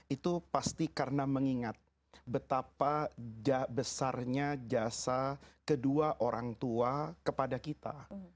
itu pasti karena mengingat betapa besarnya jasa kedua orang tua kepada kita